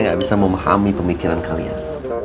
saya gak bisa memahami pemikiran kalian